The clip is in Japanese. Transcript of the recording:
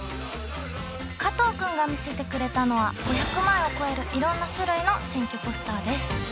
加藤くんが見せてくれたのは５００枚を超えるいろんな種類の選挙ポスターです。